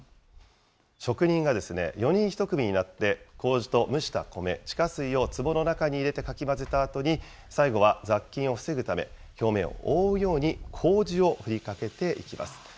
職人が４人１組になって、こうじと蒸した米、地下水をつぼの中に入れてかき混ぜたあとに、最後は雑菌を防ぐため、表面を覆うようにこうじを振りかけていきます。